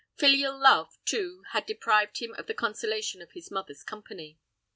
Filial love, too, had deprived him of the consolation of his mother's company.